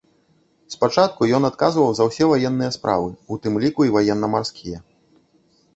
Спачатку ён адказваў за ўсе ваенныя справы, у тым ліку і ваенна-марскія.